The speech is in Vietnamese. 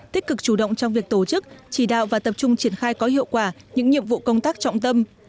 tích cực chủ động trong việc tổ chức chỉ đạo và tập trung triển khai có hiệu quả những nhiệm vụ công tác trọng tâm